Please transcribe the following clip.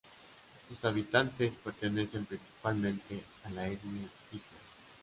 Sus habitantes pertenecen principalmente a la etnia igbo.